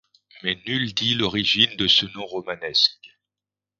Mais nul dit l'origine de ce nom romanesque.